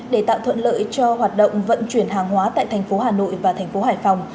để tạo thuận lợi cho hoạt động vận chuyển hàng hóa tại tp hà nội và tp hải phòng